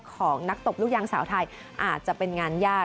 ของนักตบลูกยางสาวไทยอาจจะเป็นงานยาก